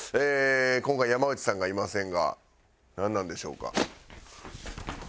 今回山内さんがいませんがなんなんでしょうか？